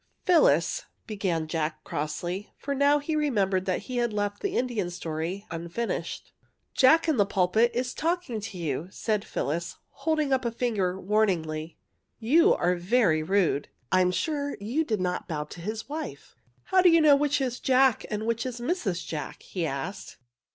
Phyllis," began Jack, crossly, for now he remembered that he had left the Indian story unfinished. Jack in the pulpit is talking to you," said ABOUT A LITTLE PREACHER 61 Phyllis, holding up a finger warningly. '' You are very rude. I'm sure you did not bow to his wife." ^* How do you know which is Jack and which is Mrs. Jack? '' he asked.